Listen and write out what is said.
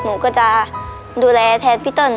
หนูก็จะดูแลแทนพี่ต้น